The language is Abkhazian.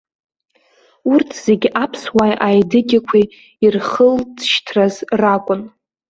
Урҭ зегь аԥсуааи аедыгьақәеи ирхылҵшьҭраз ракәын.